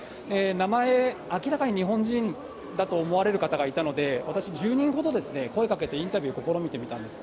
名前、明らかに日本人だと思われる方がいたので、私、１０人ほど声かけてインタビュー試みてみたんです。